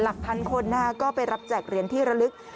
หลักพันคนก็ไปรับแจกเหรียญที่ระลึก